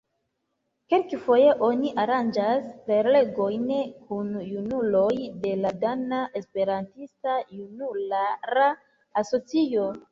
Kelkfoje oni aranĝas prelegojn kun junuloj de la Dana Esperantista Junulara Asocio.